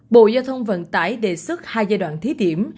bộ giao thông vận tải đề xuất hai giai đoạn thí điểm